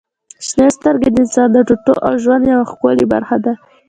• شنې سترګې د انسان د ټوټو او ژوند یوه ښکلي برخه دي.